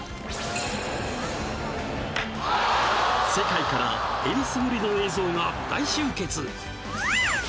世界からえりすぐりの映像が大集結。